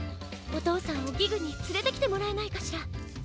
おとうさんをギグにつれてきてもらえないかしら？